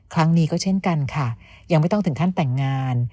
ครั้งนี้ก็เช่นกันค่ะยังไม่ต้องถึงขั้นแต่งงาน